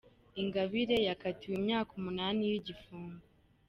Ingabire yakatiwe imyaka umunani y’igifungo